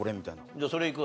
じゃあそれいく？